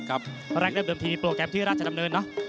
เพราะแรกได้เพิ่มทีโปรแกรมที่ราชดำเนินน่ะ